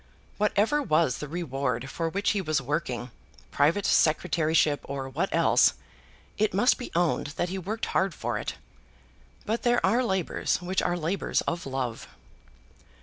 Whatever was the reward for which he was working, private secretaryship or what else, it must be owned that he worked hard for it. But there are labours which are labours of love.